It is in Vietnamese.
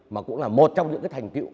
mà cũng là một trong những thành tiệu